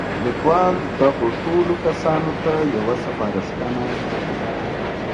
ليکوال دغو ټولو کسانو ته يوه سپارښتنه کوي.